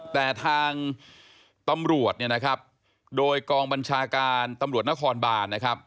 แต่ทางตำรวจเนี่ยนะครับโดยกองบัญชาการตำรวจนครบานนะครับ